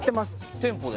店舗で？